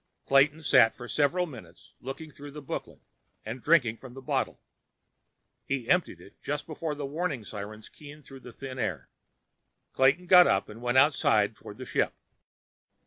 Clayton sat for several minutes, looking through the booklet and drinking from the bottle. He emptied it just before the warning sirens keened through the thin air. Clayton got up and went outside toward the ship.